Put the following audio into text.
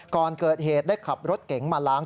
ก่อนเกิดเหตุได้ขับรถเก๋งมาล้าง